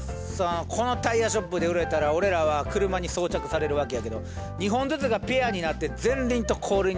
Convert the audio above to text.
このタイヤショップで売れたら俺らは車に装着されるわけやけど２本ずつがペアになって前輪と後輪に分かれんねん。